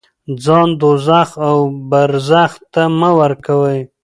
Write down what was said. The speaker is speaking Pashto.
ځان دوزخ او برزخ ته مه ورکوئ.